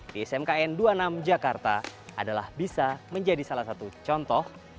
di smkn dua puluh enam jakarta adalah bisa menjadi salah satu contoh